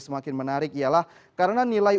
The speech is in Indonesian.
semakin menarik ialah karena nilai